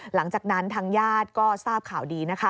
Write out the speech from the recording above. หลังจากนั้นทางญาติก็ทราบข่าวดีนะคะ